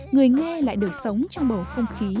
người nghe lại được sống trong bầu không khí